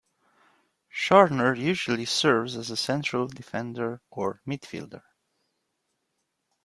Scharner usually serves as a central defender or midfielder.